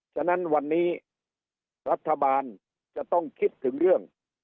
ฉะนั้นวันนี้รัฐบาลจะต้องคิดถึงเรื่อง